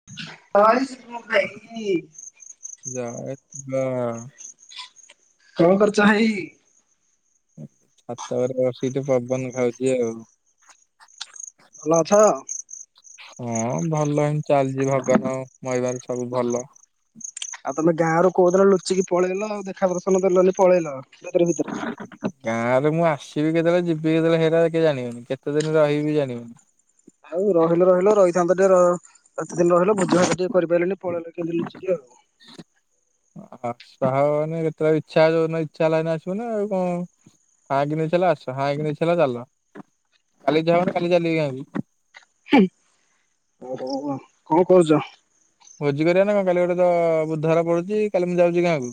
[unintelligible] [unintelligible] କଣ କରୁଚ ଭାଇ। ଛାତ ଉପରେ ବସିକି ଟିକେ ପବନ ଖାଉଚି ଆଉ। ଭଲ ଅଛ। ହଁ ଭଲ [unintelligible] ଚାଲିଚି ଭଗବାନଙ୍କ ମହିମାରୁ ସବୁ ଭଲ। ଆଉ ତମେ ଗାଁ ର କୋଉଦିନ ଲୁଚିକି ପଳେଇଲ ଆଉ ଦେଖା ପ୍ରଦର୍ଶନ ଦେଲନି ପଳେଇଲ ଭିତରେ ଭିତରେ। ଗାଁ ରେ ମୁଁ ଆସିବି କେତୋବୋଳେ ଯିବି କେତୋବୋଳେ ହେରା କେହି ଜାଣିବେନି କେତେ ଦିନ ରହିବି ବି ଜାଣିବେନି। ଆଉ ରହିଲ ରହିଲ ରହିଥାନ୍ତ ଟିକେ ର ଏତେ ଦିନି ରହିଲ ଭୋଜି ଭାତ ଟିକେ କରିପାଇଲେନି ପଳେଇଲ କେନ୍ତି ଲୁଚିକି ଆଉ। [unintelligible] ଆସାହବନି ଯେତୋବୋଳେ ଇଚ୍ଛା ଯୋଉ ଦିନ ଇଚ୍ଛା ହେଲା ହେଇ ଦିନ ଆସିବୁ ନା ଆଉ କଁ ଫାଇଁକିନି ଇଚ୍ଛା ହେଲା ଆସା ହାଇଁକିନି ଇଚ୍ଛା ହେଲା ଚାଲ କାଲି ଇଚ୍ଛା ହବ ମାନେ କାଲି ଚାଲିବି [unintelligible] [unintelligible] ଓ ହୋଉ ଆଉ କଁ କୋହୁଚ। ଭୋଜି କରିବା ନା କଁ କାଲି ଗୋଟେ ତ ବୁଧବାର ପଡୁଚି କାଲି ମୁଁ ଯାଉଚି ଗାଁକୁ।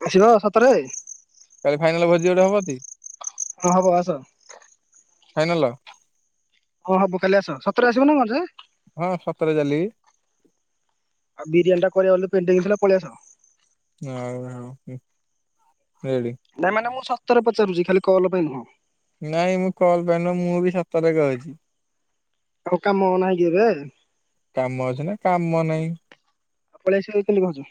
[unintelligible] ସତରେ। କାଲି ଫାଇନାଲ୍ ଭୋଜିି ଗୋଟେ ହେବତି। ହଁ ହବ ଆସ। ଫାଇନାଲ୍। [unintelligible] ହବ କାଲି ଆସ ସତରେ ଆସିବ ନା କଁଯେ। ହଁ ସତରେ [unintelligible] ଆଉ ବିରିୟାନ ଟା କରିବା ବୋଲି ପେଣ୍ଡିଙ୍ଗି ଥିଲା ପଳେଇଆସ। [unintelligible] ହୁଁ ରେଡି। ନାଇଁ ମାନେ ମୁଁ ସତରେ ପଚାରୁଚି ଖାଲି କଲ ପାଇଁ ନୁହଁ। ନାଇଁ ମୁଁ କଲ ପାଇଁ ନୁହଁ ମୁଁ ବି ସତରେ କହୁଚି। ଆଉ କାମ ନାହିଁ କି ଏବେ। କାମ ଅଛି ନା କାମ ନାଇଁ। ଆଉ ପଳେଇ ଆସିବାକୁ କେନ୍ତୁ କୋହୁଚୁ।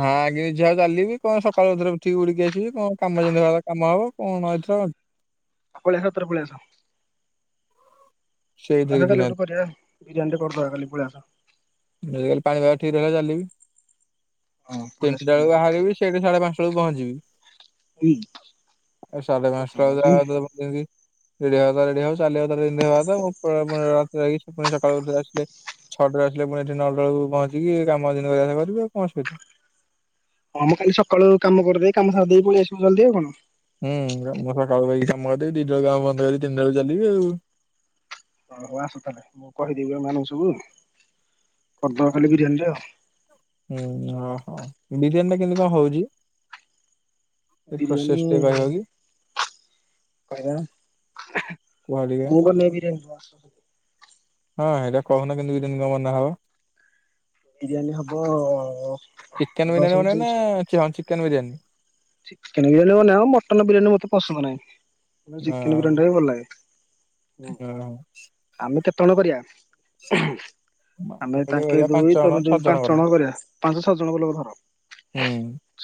ହାଇଁକି ଇଚ୍ଛା ହବ ଚାଲିବି କଁ ସକାଳୁ [unintelligible] ଉଠିକି ଉଡ଼ିକି ଆସିବି କଁ କାମ ଯେମିତି ହବା କଥା କାମ ହବ [unintelligible] [unintelligible] ସତରେ ପଳେଇଆସ। ସେଇଥିରେ ଆସ କିଛି କାଲି ନାହିଁ ଗୋଟେ କରିବା ବିରିୟାନୀ ଟେ କରିଦବା କାଲି ପଳେଇ ଆସ। [unintelligible] ପାଣିିପାଗ ଠିକ ରହିବ ଚାଲିବି। ହଁ। ପଳେଇ ଆସ ତିନିଟା ପଳେଇ ବେଳକୁ ଆସ ବାହାରିବି ସେଇଠି ସାଢେ ପାଞ୍ଚଟା ବେଳକୁ ପହଞ୍ଚିବି। ହୁଁ ସାଢ଼େ କିଛି ପାଞ୍ଚ୍ ଟାରେ ହେଲାନି। ଯାହା ଦବ ରେଡି ରେଡି ହବା‌ କଥା ଯଦି ରେଡି ହବ [unintelligible] [unintelligible] ସକାଳୁ ଉଠିଲା [unintelligible] ଛ ଟାରେ ଆସିଲେ ପୁଣି ଏଠି ନଟା ଳକୁ ପହଞ୍ଚିକି କାମ ଯେମିତି କରିବି ଆଉ କଣ ଅସୁବିଧା। ହଁ ମୁଁ କାଲି ସକାଳୁ କାମ କରିଦେଇ କାମ ସାରି ଦେଇ ପଳେଇ ଆସିବୁ ଜଲଦି ଆଉ କଣ। ହୁଁ ମୁଁ ସକାଳୁ ଯାଇକି କାମ କରିବି ଦିଟା ବେଳକୁ କାମ ବନ୍ଦ କରିିବି ତିନିଟା ବେଳକୁ ଚାଲିବି ଆଉ। ହଉ ଆସ ତାହେଲେ ମୁଁ କହିଦେବି ଏମାନଙ୍କୁ ସବୁ କରିଦେବା କାଲି ବିରିୟାନୀଟେ ଆଉ। ହୁଁ ଓହୋ ବିରିୟାନୀ ଟା କେମତି କଣ ହଉଚି? ଟିକେ ବିରିୟାନୀ ପ୍ରୋସେସ୍ ଟେ କହିବ କି? କହିଲ କୁହ ଟିକେ ମୁଁ କଣ [unintelligible] ହଁ ହେଇଟା କହୁନ କେମିତି ବିରିୟାନି ଟା ବନା ହବ? ବିରିୟାନୀ ହବ ଆଗ ସବୁ ଚୁନ୍ [unintelligible] ଚିକେନ୍ ବିରିୟାନୀ। ଚିକେନ୍ ବିରିୟାନୀ ବନେଇବ ମଟନ ବିରିୟାନୀ ମତେ ପସନ୍ଦ ନାହିଁ। ଚିକେନ୍ ବିରିୟାନୀଟା ହଁ ବି ଭଲ ଲାଗେ। ହଁ ଆମେ କେତେ ବଳେ କରିବା? [inaudible] ଆମେ ଗୋଟେ ତାଙ୍କେ କରିବା ପାଞ୍ଚ ଦୁଇ ଜଣ ତମେ ଛଅ ଦୁଇ ପାଞ୍ଚ ଜଣଙ୍କର ଜଣ କରିବା ପାଞ୍ଚ ଛଅ ଜଣଙ୍କ ଲୋକ ଧର। ହୁଁ।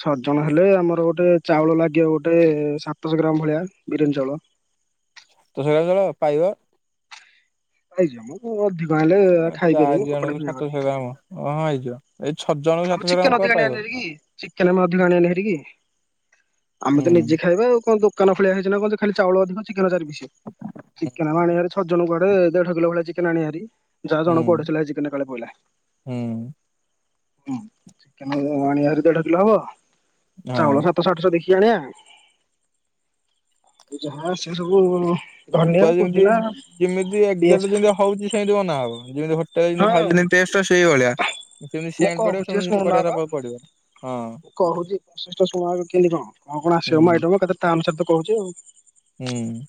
ଛଅ ଜଣ ହେଲେ ଆମର ଗୋଟେ ଚାଉଳ ଲାଗିବ ଗୋଟେ ସାତଶ ଗ୍ରାମ୍ ଭଳିଆ ବିରିୟାନୀ ଚାଉଳ [unintelligible] ଳ ପାଇବ? ହେଇଯିବ ମ ଅଧିକ ହେଲେ ଆ, ଚାରି ଖାଇପାରିବେନି ଜଣକୁ ଫୋପଡା ଫିଙ୍ଗା ସାତଶହ କରିବେ। ଗ୍ରାମ ହଁ ହେଇଯିବ। ଏଇ ଛ ଜଣ ଆମେ ଚିକେନ୍ ଅଧିକା ଆଣିବାନି ହାରିକି କି ଚିକେନ୍ ଆମେ ଅଧିକ ଆଣିବାନି ହାରିକି। ଆମେ ହୁଁ ତ ନିଜେ ଖାଇବା ଆଉ କଣ ଦୁ କାନ ଭଳିଆ ହେଇଚି ନା କଣ ଯେ ଖାଲି ଚାଉଳ ଅଧିକ ଚିକେନ୍ ଚାରି ପିସି ଚିକେନେ ଆଣିବ ହାରି ଛ ଜଣକୁ ଆଡେ ଦେଢ କିଲୋ ଭଳିଆ ଚି କେନ୍ ଆଣିବା ହାରି ଯା ଜଣଙ୍କୁ ହୁଁ ଅଢେଇଶ ଲାଖେ ଚିକେନ୍ ଏକାଳେ ପଇଲା। ହୁଁ। ହୁଁ ଚିକେନେ ଆଣିଆହାରି ଦେଢ କିଲୋ ହବ ହଁ। ଚାଉଳ ସା ତଶ ଆଠଶ ଦେଖିକି ଆଣିଆ ଯାହା ସେ ସବୁ ଧନିଆ ପୁରା ଯେମିତି ପୁଦିନା ଯେମିତି ଏଜାକ୍ଟ ପିଆଜ ଯେମିତି ହଉଚି ସେନ୍ତି ବନା ହବ ଯେନ୍ତି ହୋଟେଲରେ ଯେମିତି ହଁ ଖାଉଥିଲେ ଟେଷ୍ଟେ ସେଇ ଭଳିଆ। କିନ୍ତୁ ମୁଁ ସେମ୍ ପଡିବ କହୁଛି ସେମିତି ପଡିବା କଥା ପଡିବ ହଁ। କହୁଚି ପ୍ରୋସେସ୍ ଟା ଶୁଣୁ ଆଗ କେନ୍ତି କଣ। କଣ କଣ ଆସିବ ହୁଁ ମ ଆଇଟମ ଏକାଥରେ ତା ଅନୁସାରେ କହୁଚି ଆଉ। ହୁଁ।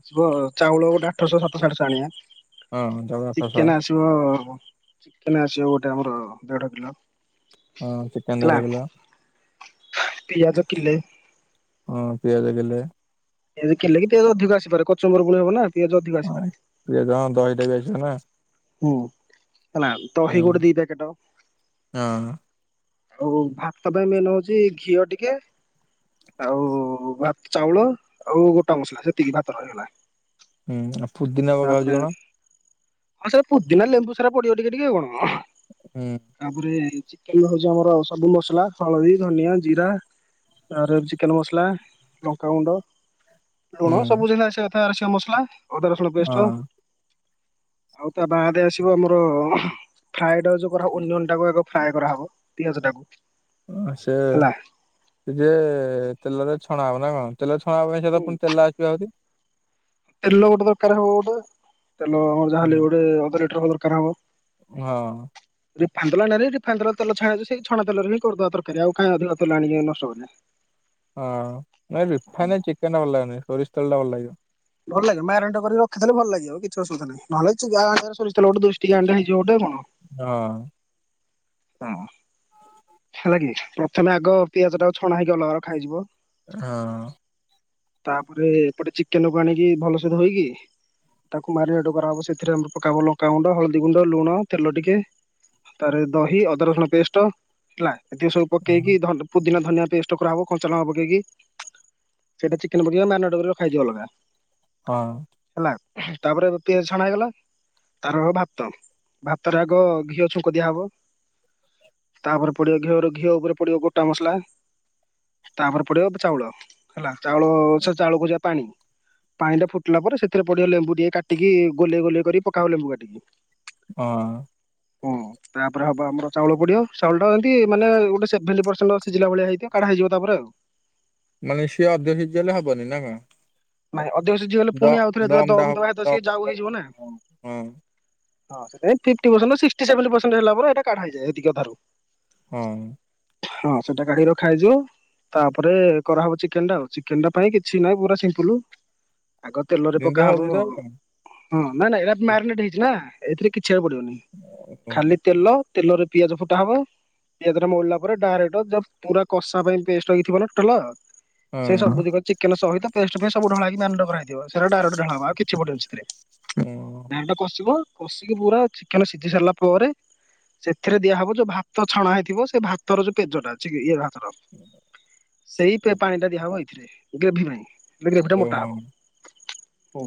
ଆସିବ ଚାଉଳ ଗୋଟା ଆଠଶ ସାତଶ ଆଠଶ ଆଣିବା। ହଁ। ଜଗ ଆଠଶହ ଚିକେନ୍ ଆସିବ ଚିକେନ୍ ଆସିବ ଗୋଟେ ଆମର ଦେଢ କିଲ। ହଁ ଚିକେନ୍ ଦେଢ କିଲ। ପିଆଜ କିଲେ ହଁ ପିଆଜ କିଲେ ପିଆଜ କିଲେ କି ପିଆଜ ଅଧିକ ଆସିପାରେ କଚମ୍ବର ପୁଣି ହବ ନା ପିଆଜ ଅଧିକ ହଁ। ଆସିପାରେ। ପିଆଜ ହଁ ଦହିଟାବି ଆସିବ ନା? ହୁଁ ହେଲା ହୁଁ ଦହି ଗୋଟେ ଦି ପ୍ୟାକେଟ। ହଁ। ଆଉ ଭାତ ପାଇଁ ମେନ୍ ହଉଚି ଘିଅ ଟିକେ ଆଉ ଭାତ୍ ଚାଉଳ ଆଉ ଗୋଟା ମସଲା ସେତିକି ଭାତ ହେଇଗଲା। ହୁଁ ଆଉ ଫୁତ୍ ତାପରେ ହଁ ସେ ପୁଦିନା ଲେମ୍ବୁ ସେରା ପଡିବ ଟିକେ ଟିକେ ଆଉ କଣ? ହୁଁ। ତାପରେ ଚିକେନ୍‌ ହଉଛି ଆମର ସବୁ ମସଲା ହଳଦୀ, ଧନିଆ, ଜିରା ତା ପରେ ଚିକେନ୍‌ ମସଲା ଲଙ୍କାଗୁଣ୍ଡ ଲୁଣ ହୁଁ ସବୁ ଯେମିତି ଆସିବା କଥା ମସଲା ଅଦା ରସୁଣ ପେଷ୍ଟ ହଁ ଆଉ ତା ବାହାରେ ଆସିବ ଆମର ଫ୍ରାଇଡ ରାଇ ଯୋଉ କର ଓନିଅନ୍‌ ଟାକୁ ଫ୍ରାଏ କରାହବ ପିଆଜଟାକୁ ଆସେ ଯେ ଟିକେ ତେଲରେ ଛଣା ହବ ନା କଣ ତେଲ ଛଣା ଛଣା ହୁଏ ପାଇଁ ହୁଁ। ପୁଣି ତେଲ ଆସିବା ଆହୁରି। ତେଲ ଗୋଟେ ଦରକାର ହବ ବୋଧେ ତେଲ ଆମର ଯାହାହେଲେ ଗୋଟେ ଅଧ ଲିଟର ଦରକାରହବ। ହଁ। ରିଫାଇନ୍‌ ତେଲ ରିଫାଇନ୍‌ ତେଲ ଛାଣି ସେ ଛଣା ତେଲ ହିଁ କରିଦବା ତରକାରୀ ଆଉକାଇଁ ଅଧିକ ତେଲ ଆଣିକି ନଷ୍ଟ କରିବା। ତେଲ ହଁଁ, ନାଇ ରିଫାଇନ୍‌ରେ ଚିକେନଟା ଭଲ ଲାଗେନି ସୋରିଷ ତେଲଟା ଭଲ ଲାଗିବ। ଭଲ ଲାଗେ ମାରାଟ କରି ରଖିଦେଲେ ଭଲ ଲାଗିବ କିଛି ଅସୁବିଧା ନାଇ ନହେଲେ ଚିରାଗ ଆଣିବ ସୋରିଷ ତେଲ ଗଟେ ଦୁଇଶହ ଟି ଆଣ୍ଡେ ହେଇଯିବ ଗଟେ କଣ ହଁ ହଁ। ହେଲା କି ପ୍ରଥମେ ଆଗ ପିଆଜଟାକୁ ଛଣା ହେଇକି ଅଲଗା ରଖାଯିବ। ହଁ। ତାପରେ ଏପଟେ ଚିକେନ୍‌ କୁ ଆଣିକି ଭଲ ସେ ଧୋଇକି ତାକୁ ମେରିନେଟ କରାହବ ସେଥିରେ ପକାହବ ଲଙ୍କାଗୁଣ୍ଡ, ହଳଦୀ ଗୁଣ୍ଡ, ଲୁଣ ତେଲ ଟିକେ ତାରେ ଦହି ଅଦା ରସୁଣ ପେଷ୍ଟ ହେଲା ଏତିକ ସବୁ ହଁ ପକେଇକି ପୁଦିନା ଧନିଆ ପେଷ୍ଟ। କରା ହବ କଞ୍ଚା ଲଙ୍କା ପକେଇକି ସେଇଟା ଚିକେନ୍‌ ପକାଇକି ମାରିନଟ କରି ରଖା ହଇଯିବ ଅଲଗା। ହଁ। ହେଲା ତାପରେ ପିଆଜ ଛଣା ହେଇଗଲା। ତାର ହବ ଭାତ ଭାତରେ ଆଗ ଘିଅ ଛୁଙ୍କ ଦିଆହବ। ତାପରେ ପଡ଼ିବ ଘିଅରୁ ଘିଅ ଉପରେ ପଡ଼ିବ ଗୋଟା ମସଲା। ତାପରେ ପଡ଼ିବ ଚାଉଳ ହେଲା ଚାଉଳ, ଚାଉଳକୁଜା ପାଣି। ପାଣିଟା ଫୁଟିଲା ପରେ ସେଥିରେ ପଡ଼ିବ ଲେମ୍ବୁ ଟିକେ କାଟିକି ଗୋଲିଆ ଗୋଲିଆ କରି ପକାଅ ଲେମ୍ବୁ କାଟିକି। ହଁ। ହଁ। ତାପରେ ହବ ଆମର ଚାଉଳ ପଡ଼ିବ ଚାଉଳଟା ଏମିତି ମାନେ ଗଟେ ସେଭେଣ୍ଟି ପର୍ ସେଣ୍ଟ ସିଝିଲା ଭଳିଆ ହେଇଥିବ କଡ଼ାହେଇ ଯିବ ତାପରେ ଆଉ ମାନେ ସେ ଅଧିକ ସିଝି ଗଲେ ହବନି ନାଁ କଣ? ମାନେ ଅଧିକ ସିଝିଗଲେ ଦ ପୁଣି ଆଉଥରେ ଯେତେବେଳେ ଦମ ଦମ୍ ଟା ହବ ଦେବା ପୁଣି ଆଉ ଥରେ ଯାଉ ଦମ ହେଇଯିବ ନା? ହଁ ହଁ fifty percent sixty seventy percent ହେଲା ପରେ କାଢ଼ା ହେଇଯାଏ [inaudible] ହଁ। ହଁ ସେଟା କାଢ଼ିକି ରଖା ହେଇଯିବ। ତାପରେ କରାହେବ ଚିକେନ୍‌ଟା ଆଉ ଚିକେନ୍‌ ଟା ପାଇଁ କିଛି ନାହିଁ ପୁରା ସିମ୍ପୁଲୁ ଆଗ ତେଲରେ ଯେମିତି ପକା ହବ। ହଉଛି ତ ଆଉ କଣ? ହଁ ନାଇଁ ନାଇଁ ଏଇଟା ମାରିନେଟ ହେଇଛି ନା ଏଥିରେ କିଛି ଆଉ ପଡ଼ିବନି ଖାଲି ତେଲ ତେଲରେ ପିଆଜ ଫୁଟା ହବ। ପିଆଜ ରେ ମଉଳା ପରେ ଡାଇରେକ୍ଟ ପୁରା କଷା ପାଇଁ ପେଷ୍ଟ ହେଇଥିବ ପେଷ୍ଟ ଟା। ଓ ସେଇ ସବୁ ଦିକ ଚିକେନ୍‌ ସହିତ ପେଷ୍ଟ ପାଇଁ ସବୁ ଢଳା ହଇକି ମେରିନେଟକରା ହଇ ଥିବ ସେଇଟା ଡାଇରେକ୍ଟ ଢଳା ଯିବ ଆଉ କିଛି ପଡ଼ିବନି। ହଁ। ପିଆଜ ଟା କଷିବ କଷିକି ପୁରା ଚିକେନ୍‌ସିଝି ସାରିଲା ପରେ ସେଥିରେ ଦିଆହବ ଯୋଉ ଭାତ ଛଣା ହେଇଥିବ ସେ ଭାତର ଯ ପେଜଟା ଇଏ ସେଇ ପାଣି ଟା ଦିଆହବ ଏଇଥିରେ ଗ୍ରେଭି ପାଇଁ ଗ୍ରେଭି ଟା ମୋଟା ହବ। ହୁ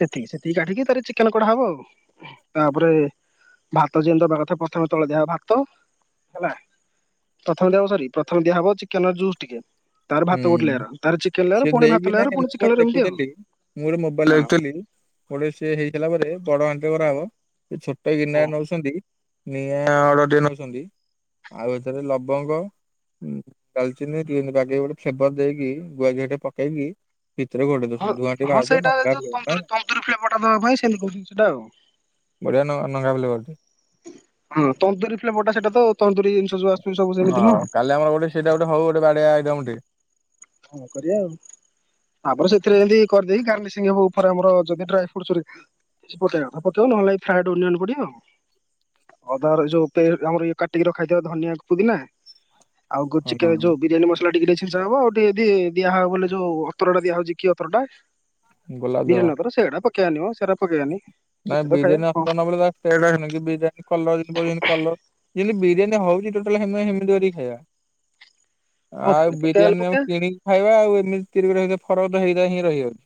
ସେତିକି ସେତିକି କାଢ଼ିକି ତାର ଚିକେନ୍‌ କଢ଼ାହବ ଆଉ। ତାପରେ ଭାତ ଯେମିତି ଦେବା କଥା ପ୍ରଥମେ ତଳେ ଦିଆ ହବ ଭାତ ହେଲା। ପ୍ରଥମେ ଦିଆହବ ସରି ପ୍ରଥମେ ଦିଆ ହବ ଚିକେନ୍‌ ର ଜୁସ୍ ଟିକେ, ତାର ଭାତ ଗୋଟେ ଲେୟାର ତ ପରେ ଚିକେନ୍‌ ଲେୟାର। ପୁଣି ଭାତ ଦେଇକିନାଁ ଲେୟାର ମୁଁ ପୁଣି ଚିକେନ ଗୋଟେ [unintelligible] ଲେୟାର ଏମିତି ଆଉ। ଦେଖୁଥିଲି ମୁଁ ଗୋଟେ ମୋବାଇଲ୍‌ ହଁ। ଦେଖୁଥିଲି। ଗୋଟେ ସି ହେଇଥିଲା ପରେ ବଡ଼ ହଣ୍ଟ କରାହବ ସେ ଛୋଟ ହଁ ଗିନାର ନଉଛନ୍ତି ନିଆଁ ଅର୍ଡର ଟେ ନଉଛନ୍ତି। ଆଉ ଏଥିରେ ଲବଙ୍ଗ, ଡାଲଚିନି କିମିତି ବାଗେଇକି [unintelligible] ଚ୍ଛେପ ଦେଇକି ଗୁଆ ଘିଅ ଟେ ପକେଇକି। ଭିତରେ [unintelligible] ହଁ ଟିକେ ହଁ ବାହାରୁଥିବ ସେଇଟା ନଙ୍ଗା ଯୋଉ ଫ୍ଲେଭର ନାଇଁ ତୁନ୍ଦୁରୀ ତନ୍ଦୁରୀ ଫ୍ଲେବରଟା ଦେବା ପାଇଁ ସେ କରୁଛନ୍ତି ସେଇଟା ଆଉ। ବଢ଼ିଆ ନ ନଙ୍ଘା [unintelligible] ହଁ ତନ୍ଦୁୁରୀ ଫ୍ଲେବର୍ ଟା ସେଟା ତାଉ ତନ୍ଦୁରୀ ଜିନିଷ ଯୁ ଆସୁଚି ସବୁ ସେମତି ହଁ ନୁହଁ। କାଲି ଆମର ଗୋଟେ ସେଇଟା ଗୋଟେ ହଉ ଗୋଟେ ବାଡିଆ ଆଇଟମ୍ ଟେ। ହଁ କରିବା ଆଉ। ଆ ପରେ ସେଥିରେ ଏମିତି କରିଦେଇି ଗାର୍ଲିିସିଙ୍ଗ ହବ ଉପରେ ଆମର ଯଦି ଡ୍ରାଇ ଫ୍ରୁଟ। ପକେଇବା ପକେଇବ ନହେଲେ ନାଇ ଫ୍ରାଏଡ ଅନିଅନ ପଡିିବ ଆଉ। ଅଦାର ଯୋଉ ପେ ଆମର ଇଏ କାଟିକି ରଖାଇଥିବା ଧନିଆ, ପୁଦିନା। ଆଉ [unintelligible] ହଁ ଚିକେନ୍ ରେ ହଁ ଯୋଉ ବିରିୟାନୀ ମସଲା ଟିକେ ଟିକେ ଛିଞ୍ଚା ହ ହେବ ଆଉ। ଦିଆ ହେବ ବୋଲେ ଯୋଉ ଅତରଟା ଦିଆ ହଉଚି କିି ଅତର ଟା ଗୋଲାପ ଜଳ ବିରିଆନୀ ଅତର ସେଇଟା ପକେ ପକେଇବାନି ମ ସେରା ପକେଇବାନି। ସେଠି ନାଇଁ ତ ଖାଇବା ବିରିୟାନୀ ଆସୁ ହଁ [unintelligible] ବିରିୟାନୀ କଲର ଯୋଉ ପଡ଼ିବନି କଲର [unintelligible] ଯେମିତି ବିରିୟାନୀ ଟା ହଉଛି ଟୋଟାଲ ଆମେ ହେମିତି [unintelligible] କରିକି ଖାଇବା। ହଉ ଆଉ ତାହେଲେ ପକେଇବା ହେଲେ ବିରିୟାନୀ ଆମେ ପକେଇବା। କିଣିକି ଖାଇବା ଆଉ ଏମିତି ତିରି ର ଫରକ ତ ହେଇଥା ହିଁ ରହିଯାଉଛି।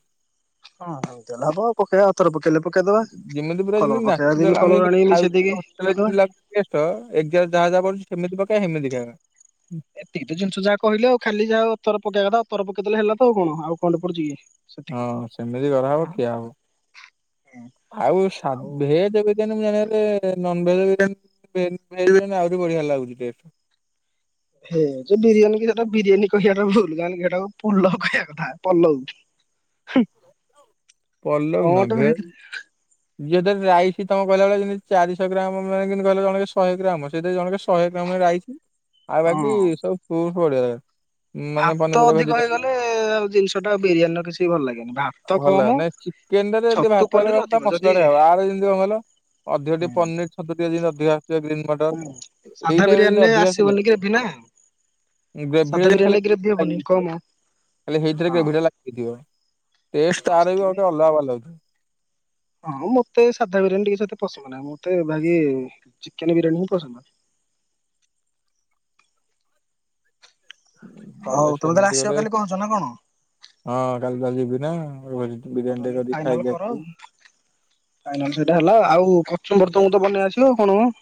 ହଁ ଆପଣ ପକେଇବା ଆଉ ଥରେ ପକେଇଲେ ପକେଇଦବା, ଯେମିତି ପୁରା ଯେମିତି କଲର ନ୍ୟାଚୁରାଲ ପକେଇବା ଆମେ କଲର ଯେମିତି ଆଣିକି ଖାଉଛେ ମିଶେଇଦେଇକି ହୋଟେଲରେ ପକେଇଦବା। [unintelligible] ଯାହା ଯାହା ପଡୁଛି ସେମିତି ପକେଇବା ହେମିତି ଖାଇବା। ଏତିକି ତ ଜିନିଷ ଯାହା କହିଲେ ଆଉ ଖାଲି ଯାହା ଅତର ପକେଇବା କଥା ଅତର ପକେଇ ଦେଲେ ହେଲା ତ ଆଉ କଣ ଆଉ କଣଟେ ପଡୁଛି କି? ହଁ ସେତିକି। ସେମିତି କରାହବ ଖିଆ ହବ, ଆଉ ସା [unintelligible] ଚିକେନ ଜାଗାରେ ନନ୍ ଭେଜ ବିରିଆନୀ ଭେଜ ବି ଆହୁରି ବଢିଆ ଲାଗୁଚି ଟେଷ୍ଟ। ଭେଜ୍ ବିରିୟାନୀ କୁ ସେଟା ବିରିୟାନୀ କହିବାଟା ଭୁଲ ଜାଣିଲୁ କି ସେଇଟାକୁ ପଲଉ କହିବା କଥା ପଲଉ। କଣ ପଲଉ ନା ଗୋଟେ ଭେ ହେଇଥିରେ ଯିଏଦରେ ରାଇସ୍ ତମ କହିଲା ବେଳେ [unintelligible] ଚାରିଶ ଗ୍ରାମ [unintelligible] ଜଣେ ଶହେ ଗ୍ରାମ ଅଛି। ସେଥିରେ ଜଣକେ ଶହେ କାମ ରାଇସି ଆଉ ହଁ। ବାକି ସବୁୁ ମାନେ ପନିପ [unintelligible] ଏଁ ଜିନିଷ ଟା ବିରିୟାନୀ ର କିଛି ବି ଭଲ ଲାଗେନି ବା ଭଲ ଲାଗୁନି ଚିକେନଟା ରେ ଯଦି ପନିର ଭାତରେ ଅଧିକ ଯଦି ମସଲାରେ ହବ ଆର ଯେମିତି କଣ କହିଲ? ଅଧିକ ଟିକେ ହୁଁ ପନିର, ଛତୁ ଟିକେ ଦିଅନ୍ତି ଅଧିକା ଟିକେ ଗ୍ରୀନମ ସାଧା ବିରିୟାନୀରେ ଆସିବନି ଗ୍ରେଭି ନା? ଗ୍ରେଭିରେ ସାଧା ଯେନ ଖାଲି ବିରିୟାନୀରେ ଗ୍ରେଭି [unintelligible] ହବନି ଲାଗିକି କମ ଥିବ। ହେଇଥିରେ ହଁ ଗେଭି ଟା ଲାଗିଥିବ। ଟେଷ୍ଟ ହଁ ତାର ବି ସେଥିପାଇଁ ଗୋଟେ ଅଲଗା ଭଲ ହେଇଥିବ। ହଁ ମୋତେ ସାଧା ବିରିୟାନୀ ଟିକେ ସେତେ ପସନ୍ଦ ନାହିଁ ମୋତେ ବାକି ଚିକେନ ବିରିୟାନୀ ହିଁ ପସନ୍ଦ। ହଉ ନହେଲେ ତମେ ତାହାଲେ ସେମିତି ଆସିବ ଗୋଟେ କାଲି କହୁଚ ନା କଣ? ହଁ କାଲି ତାହାଲେ ଯିବି ନା [unintelligible] ହଉ ବିରିୟାନୀ ଟେ ତାହେଲେ ଯଦି ଫାଇନାଲ ଖାଇକି କର ଆସିବି। ଫାଇନାଲ ସେଇଟା ହେଲା ଆଉ କଚୁମ୍ବର୍ ତ ମତେ ବନେଇ ଆସିବ ଆଉ କଣ ମ।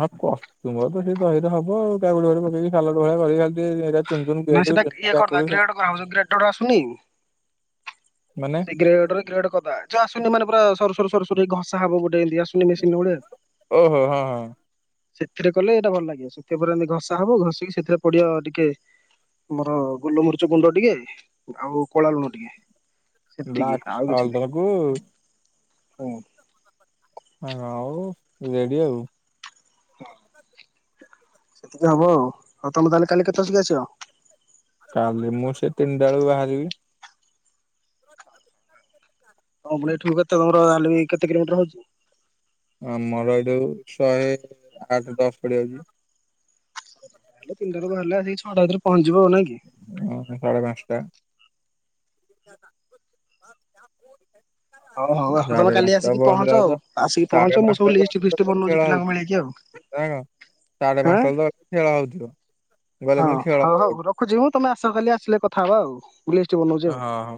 ହଁ କଚୁମ୍ବର ତ ସେ ଦହିରେ ହବ ଆଉ କାକୁଡି ଫାକୁଡ଼ି ପକେଇକି ଶାଲ୍ଡ଼ ଭଳିଆ କରିକି ଖାଲି ଟିକେ ଏରା ନାଇଁ ସେଟା ଇଏ କରିଦେବା ଗ୍ରେଟ କରାହେବ ଯୋଉ ଗ୍ରେଟର ଆସୁନି କି। ମାନେ ଗ୍ରେଟ ରେ ଗ୍ରେଟ କରିଦେବା ଯୋଉ ଆସୁନି ମାନେ ପୁରା ସରୁ ସରୁ ସରୁ ସରୁ ଘଷା ହେବ ଗୋଟେ ଏମିନ୍ତି ଆସୁ ନି ମେସିନି ଭଳିଆ। ଓହୋ ହଁ ହଁ ସେଥିରେ କଲେ ଏଇଟା ଭଲ ଲାଗିବ ସେଥି ପରେ ଏମିତି ଘଷା ହବ ଘଷିକି ସେଥିରେ ପଡିବ ଟିକେ ଆମର ଗୋଲମରିଚ ଗୁଣ୍ଡ ଟିକେ ଆଉ କଳା ଲୁଣ ଟିକେ। ସେତିକି ବ୍ଲାକ୍ ଆଉ କିଛି ସଲ୍ଟ କୁ ନାହିଁ ହୁଁ। ହଁ ଆଉ ରେଡି ଆଉ। ସେତିକି ହବ ଆଉ। ଆଉ ତମେ ତାହେଲେ କାଲି କେତେବେଳସିକି ଆସିଵ? କାଲି ମୁଁ ସେ ତିନଟା ବେଳକୁ ବାହାରିବି। ହଁ ଫୁଣି ଏଠୁ କେତେ ଘର ଜାହାହେଲେ ବି କେତେ କିଲୋମିଟର ହଉଛି? ଆମର ଏଇଠୁ ଶହେ ଆଠ ଦଶ ପଡିଯାଉଛି। ହେ ତିିନଟାରୁ ବାହାରିଲେ ଆସିକି ଛଅଟା ଭିତରେ ପହଞ୍ଚିଯିବ ନା କି। ହୁଁ ସାଢେ ପାଞ୍ଚଟା। [inaudible] ସାଢେ ପାଞ୍ଚଟା ପହଞ୍ଚିଲା ବେଳକୁ ହଉ ହଉ ଆଉ ତମେ ତ କାଲି ଆସିକି ସାଢେ ପହଞ୍ଚ ଆଉ ପାଞ୍ଚଟା ଆସିକି ପହଞ୍ଚିଲା ପହଞ୍ଚ ମୁଁ ବେଳକୁ ସବୁ ଲିଷ୍ଟ ତ ଫିଷ୍ଟ ବନଉଛି ଖେଳ ପିଲାଙ୍କୁ ହଉଛି। ମିଳେଇକି ଆଉ। ନାଁ କଣ ସାଢେ ହଁ ପାଞ୍ଚଟା ବେଲକୁ ଖେଳ ହଉଥିବ। ଗଲେ ହଁ ପୁଣି ଖେଳ ହଉ ହବ ହଉ ରଖୁଛି ମୁଁ ତମେ ଆସ କାଲି ଆସିଲେ କଥା ହବା ଆଉ। ମୁଁ ଲିଷ୍ଟ ବନଉଛି ଆଉ। ହଁ ହଁ